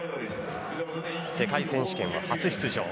世界選手権は初出場。